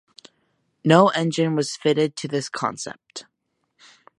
No engine was fitted to this concept.